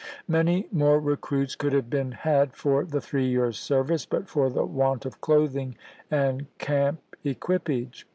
Many more recruits could have been had for the three years service but for the want of clothing and camp equipage.